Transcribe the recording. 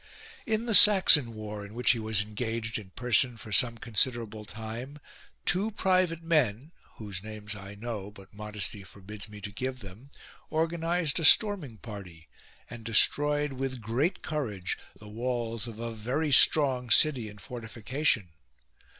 2. In the Saxon war in which he was engaged in person for some considerable time, two private men (whose names I know, but modesty forbids me to give them) organised a storming party, and destroyed with great courage the walls of a very strong city and fortification.